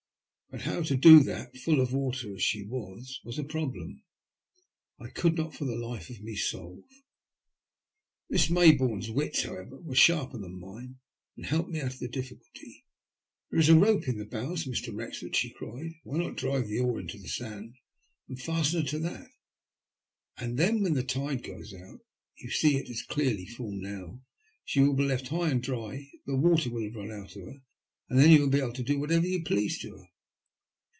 But how to do that, full of water as she was, was a problem I could not for the life of me solve. Miss Mayboume's wits, however, were sharper than mine and helped me out of the difficulty. " There is a rope in her bows, Mr. Wrexford," she cried ;*' why not drive the oar into the sand and fasten her to that ? then when the tide goes out — ^you see it is nearly full now — she will be left high and dry, the water will have run out of her, and then you will be able to do whatever you please to her."